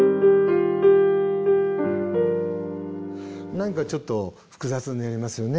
何かちょっと複雑になりますよね。